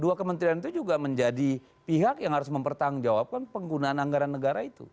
dua kementerian itu juga menjadi pihak yang harus mempertanggungjawabkan penggunaan anggaran negara itu